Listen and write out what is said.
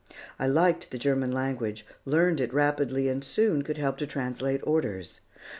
I liked the German language, learned it rapidly and soon could help to translate orders.